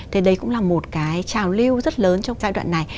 thì đấy cũng là một cái trào lưu rất lớn trong giai đoạn này